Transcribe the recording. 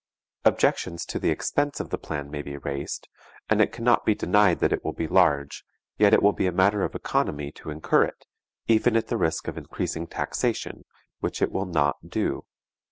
Objections to the expense of the plan may be raised, and it can not be denied that it will be large, yet it will be a matter of economy to incur it, even at the risk of increasing taxation, which it will not do.